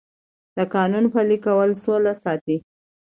د قانون پلي کول سوله ساتي